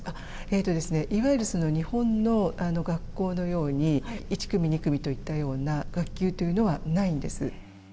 えーとですね、いわゆる日本の学校のように、１組、２組といったような学級というものはないんです。